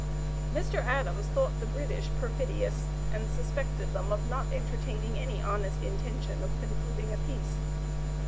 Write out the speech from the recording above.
Mr. Adams thought the British perfidious, and suspected them of not entertaining any honest intention of concluding a peace.